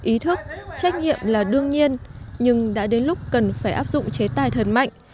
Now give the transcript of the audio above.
ý thức trách nhiệm là đương nhiên nhưng đã đến lúc cần phải áp dụng chế tài thật mạnh